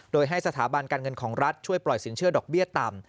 โดยให้สถาบันการเงินของรัฐช่วยปล่อยสินเชื่อดอกเบี้ยต่ำ